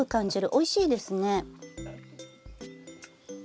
おいしいですね。